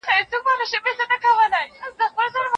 آیا هغه هلک بېدېدلی دی؟